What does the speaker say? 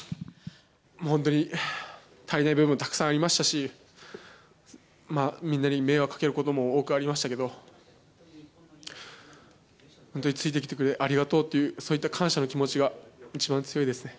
本当に足りない部分もたくさんありましたし、まあ、みんなに迷惑かけることも多くありましたけど、本当についてきてくれてありがとうという、そういった感謝の気持ちが一番強いですね。